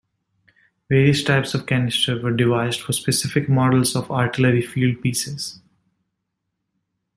Various types of canister were devised for specific models of artillery field pieces.